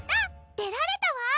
でられたわ！